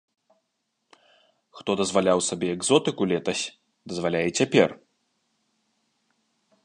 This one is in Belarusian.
Хто дазваляў сабе экзотыку летась, дазваляе і цяпер.